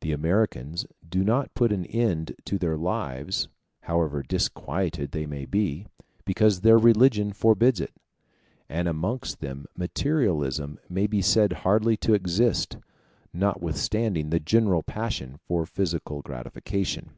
The Americans do not put an end to their lives, however disquieted they may be, because their religion forbids it; and amongst them materialism may be said hardly to exist, notwithstanding the general passion for physical gratification.